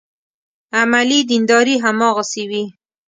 عملي دینداري هماغسې وي.